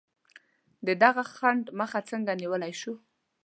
د دغه خنډ مخه څنګه نیولای شو؟